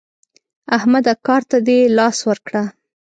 احمده کار ته دې لاس ورکړ؟